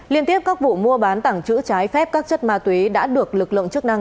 liên tiếp các vụ mua bán tảng chữ trái phép các chất ma túy đã được lực lượng chức năng